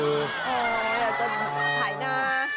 เอออยากจะไถ่นา